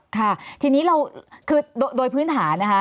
ค่ะทีนี้เราคือโดยพื้นฐานนะคะ